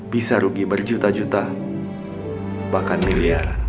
bisa rugi berjuta juta bahkan miliar